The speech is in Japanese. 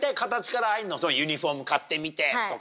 ユニホーム買ってみてとか。